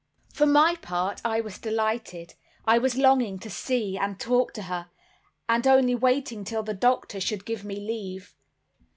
For my part, I was delighted. I was longing to see and talk to her; and only waiting till the doctor should give me leave.